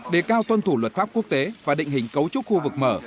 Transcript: đề cao tuân thủ luật pháp quốc tế và định hình cấu trúc khu vực mở